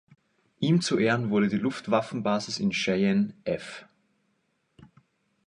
Ihm zu Ehren wurde die Luftwaffenbasis in Cheyenne „F.